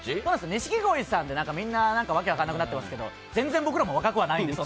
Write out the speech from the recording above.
錦鯉さんで、みんな訳分からなくなってますけど全然僕らも若くはないんですよ。